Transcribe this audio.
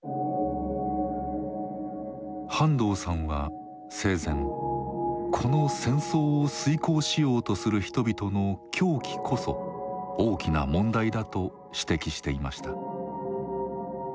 半藤さんは生前この戦争を遂行しようとする人々の「狂気」こそ大きな問題だと指摘していました。